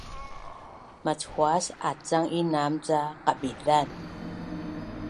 Machuas acang inam ca Qabizan